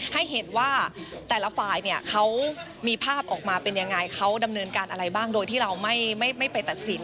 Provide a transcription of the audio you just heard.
ให้เห็นว่าแต่ละฝ่ายเนี่ยเขามีภาพออกมาเป็นยังไงเขาดำเนินการอะไรบ้างโดยที่เราไม่ไปตัดสิน